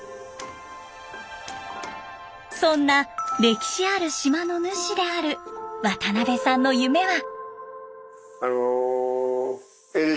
そんな歴史ある島の主である渡邊さんの夢は。